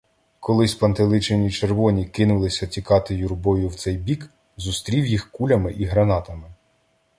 Коли спантеличені червоні кинулися тікати юрбою в цей бік, зустрів їх кулями і гранатами.